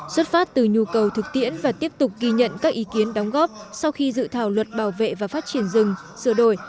xuất phát từ nhu cầu thực tiễn và tiếp tục ghi nhận các ý kiến đóng góp sau khi dự thảo luật bảo vệ và phát triển rừng sửa đổi